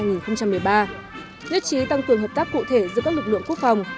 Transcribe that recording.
nước chí tăng cường hợp tác cụ thể giữa các lực lượng quốc phòng